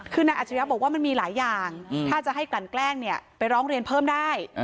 คือนายอัจฉริยะบอกว่ามันมีหลายอย่างถ้าจะให้กลั่นแกล้งเนี่ยไปร้องเรียนเพิ่มได้